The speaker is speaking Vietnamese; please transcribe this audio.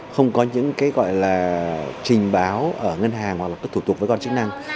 không có những trình báo ở ngân hàng hoặc thủ tục với con chức năng